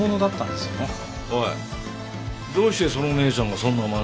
おいどうしてその姉ちゃんがそんな真似を？